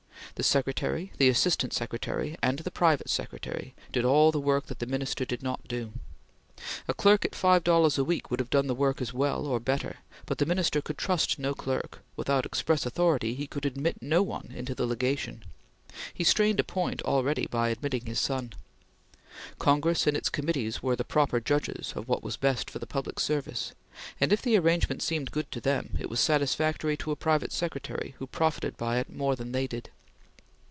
The Secretary, the Assistant Secretary, and the private secretary did all the work that the Minister did not do. A clerk at five dollars a week would have done the work as well or better, but the Minister could trust no clerk; without express authority he could admit no one into the Legation; he strained a point already by admitting his son. Congress and its committees were the proper judges of what was best for the public service, and if the arrangement seemed good to them, it was satisfactory to a private secretary who profited by it more than they did.